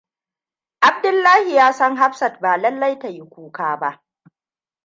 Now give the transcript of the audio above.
Abdullahi ya san Hafsat ba lallai ta yi kuka ba.